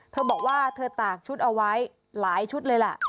เธอบอกว่าเธอตากชุดเอาไว้หลายชุดเลยล่ะ